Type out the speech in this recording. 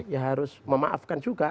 ya harus memaafkan juga